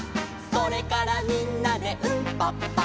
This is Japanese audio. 「それからみんなでウンパッパ」